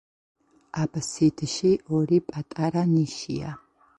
აბსიდში ორი პატარა ნიშია.